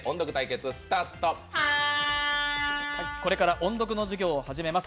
これから音読の授業を始めます。